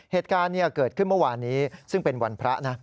เหตุการณ์เกิดขึ้นเมื่อวานนี้ซึ่งเป็นวันพระนะ